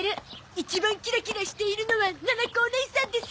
一番キラキラしているのはななこおねいさんです！